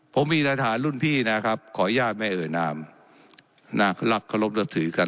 ผมมีรัฐฐานรุ่นพี่นะครับขออนุญาตไม่เอ่ยนามนักรักเคารพนับถือกัน